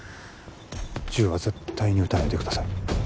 銃は絶対に撃たないでください